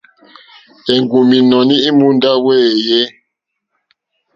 Èŋgúm ínɔ̀ní èmùndá wéèyé.